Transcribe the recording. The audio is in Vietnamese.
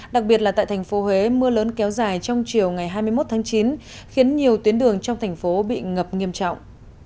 đặc biệt là tại thành phố huế mưa lớn kéo dài trong chiều ngày hai mươi một tháng chín khiến nhiều tuyến đường trong thành phố bị ngập nghiêm trọng